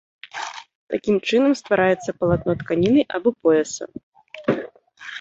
Такім чынам ствараецца палатно тканіны або пояса.